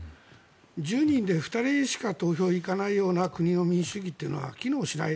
１０人で２人しか投票に行かないような国の民主主義は機能しない。